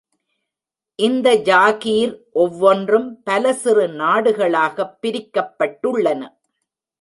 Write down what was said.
இந்த ஜாகீர் ஒவ்வொன்றும் பல சிறு நாடுகளாகப் பிரிக்கப்பட்டுள்ளன.